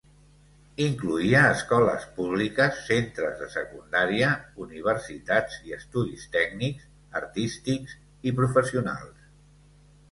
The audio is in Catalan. Incloïa escoles públiques, centres de secundària, universitats i estudis tècnics, artístics i professionals.